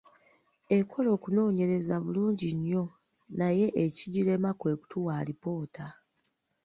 Ekola okunoonyereza bulungi nnyo, naye ekigirema kwe kutuwa alipoota.